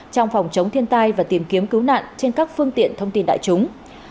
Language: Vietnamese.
trong phòng chống thiên tai và tìm kiếm cứu nạn trên các phương tiện thông tin đại chúng